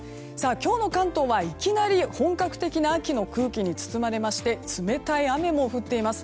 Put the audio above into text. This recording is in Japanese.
今日の関東はいきなり本格的な秋の空気に包まれまして冷たい雨も降っています。